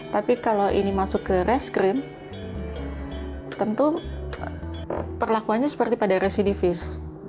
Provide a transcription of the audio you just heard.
tapi kalau ini masuk ke reskrim tentu perlakuannya seperti pada residivis